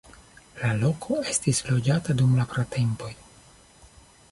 La loko estis loĝata dum la pratempoj.